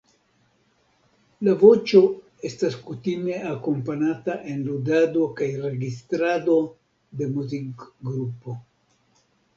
La voĉo estas kutime akompanata en ludado kaj registrado de muzikgrupo.